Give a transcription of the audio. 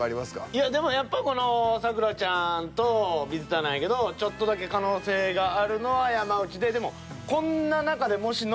いやでもやっぱこの咲楽ちゃんと水田なんやけどちょっとだけ可能性があるのは山内で。